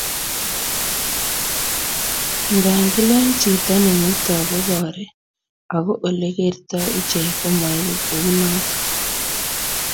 ingaa kilen chito nemuitoi koboore, ago olegertoi iche komaegu kunoto